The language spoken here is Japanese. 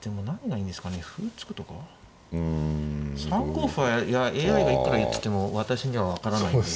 ３五歩はＡＩがいくら言ってても私には分からないんで。